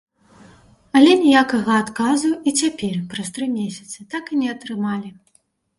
Але ніякага адказу і цяпер, праз тры месяцы, так і не атрымалі.